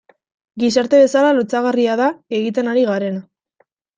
Gizarte bezala lotsagarria da egiten ari garena.